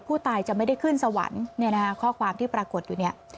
ผู้ตายจะไม่ได้ขึ้นสวรรค์ข้อความที่ปรากฏอยู่นี่